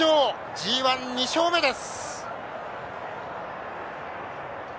ＧＩ、２勝目です。